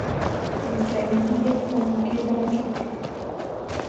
esaidia kuambukiza watu afrika